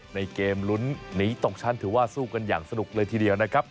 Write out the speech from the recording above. ในเกมลุ้นหนีตกชั้นถือว่าสู้กันอย่างสนุกเลยทีเดียวนะครับ